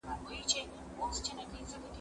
زه به اوږده موده د سوالونو جواب ورکړی وم!!